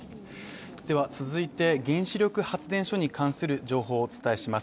では続いて原子力発電所に関する情報をお伝えします。